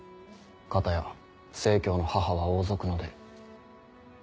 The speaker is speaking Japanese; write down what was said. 片や成の母は王族の出。